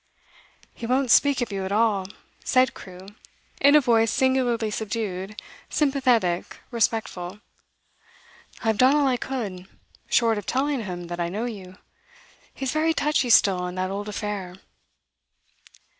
'He won't speak of you at all,' said Crewe, in a voice singularly subdued, sympathetic, respectful. 'I have done all I could, short of telling him that I know you. He's very touchy still on that old affair.